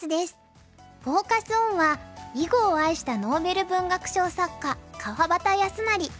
フォーカス・オンは「囲碁を愛したノーベル文学賞作家・川端康成」。